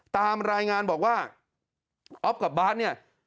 ตามรายงานบอกว่าอ๊อฟกับบาร์ดเนี่ย